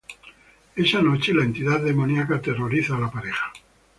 Esa noche, la entidad demoníaca aterroriza a la pareja.